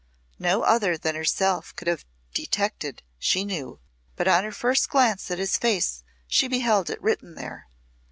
No other than herself could have detected, she knew, but on her first glance at his face she beheld it written there.